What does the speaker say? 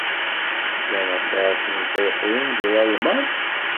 Llan aṭas n Yefriqiyen deg Lalman?